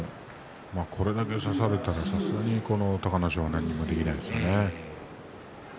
これだけ差されたらさすがに隆の勝は何もできないですよね。